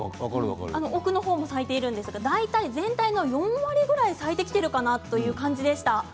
奥のほうも咲いているんですが大体、全体の４割ぐらい咲いてきてるかなという感じですか。